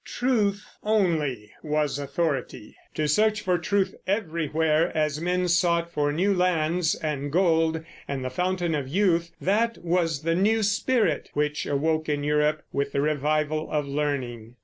Truth only was authority; to search for truth everywhere, as men sought for new lands and gold and the fountain of youth, that was the new spirit which awoke in Europe with the Revival of Learning.